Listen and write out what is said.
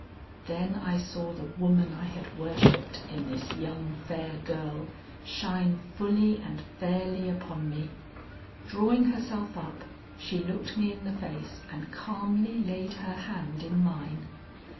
Then I saw the woman I had worshipped in this young fair girl shine fully and fairly upon me. Drawing herself up, she looked me in the face and calmly laid her hand in mine.